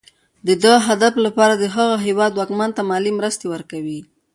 د دغه هدف لپاره د هغه هېواد واکمن ته مالي مرستې ورکوي.